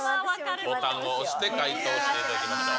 ボタンを押して回答していきましょう。